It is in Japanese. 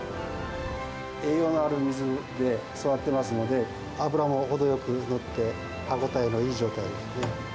栄養のある水で育ってますので、脂も程よくのって、歯応えがいい状態で。